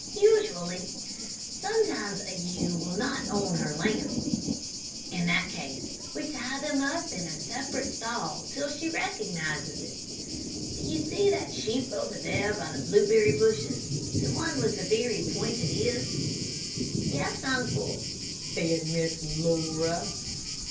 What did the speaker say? "Usually. Sometimes a ewe will not own her lamb. In that case we tie them up in a separate stall till she recognizes it. Do you see that sheep over there by the blueberry bushes the one with the very pointed ears?" "Yes, uncle," said Miss Laura.